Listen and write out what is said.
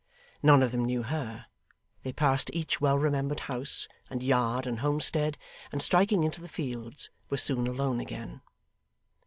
None of them knew her; they passed each well remembered house, and yard, and homestead; and striking into the fields, were soon alone again.